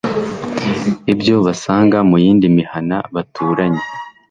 ibyo basanga mu yindi mihana baturanye